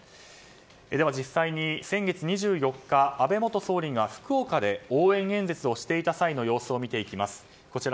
では実際に、先月２４日安倍元総理が福岡で応援演説をしていた際の様子を見ていきます。